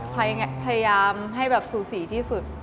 พยายามให้แบบสูสีที่สุด